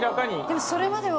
でもそれまでは。